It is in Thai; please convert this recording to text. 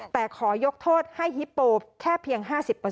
แต่ขอยกโทษให้ฮิปโปแค่เพียง๕๐